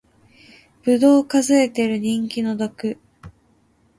ぶどう数えてる人気の毒